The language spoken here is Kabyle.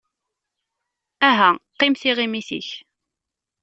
Aha, qqim tiɣimit-ik!